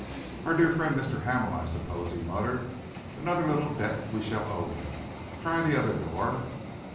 "Our dear friend, Mr. Hamel, I suppose," he muttered. "Another little debt we shall owe him! Try the other door."